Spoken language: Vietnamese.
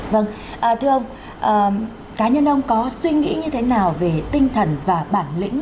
vâng thưa ông cá nhân ông có suy nghĩ như thế nào về tinh thần và bản lĩnh